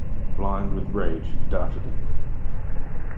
Blind with rage, he darted in.